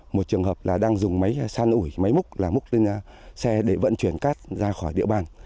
một trường hợp là đang dùng máy san ủi máy múc là múc lên xe để vận chuyển cát ra khỏi địa bàn